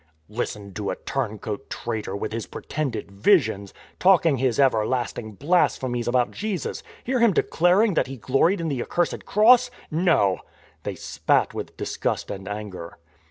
" Listen to a turncoat traitor, with his pretended 'visions,' talking his everlasting blasphemies about Jesus; hear him declaring that he gloried in the acr cursed cross ! No !" They spat with disgust and anger.